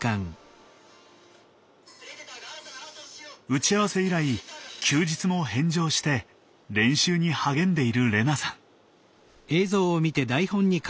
打ち合わせ以来休日も返上して練習に励んでいる玲那さん。